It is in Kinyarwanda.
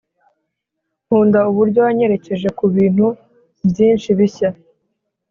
nkunda uburyo wanyerekeje kubintu byinshi bishya